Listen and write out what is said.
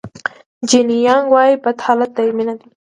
جیني یانګ وایي بد حالت دایمي نه دی.